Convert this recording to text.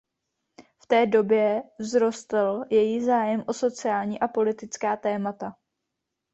V té době vzrostl její zájem o sociální a politická témata.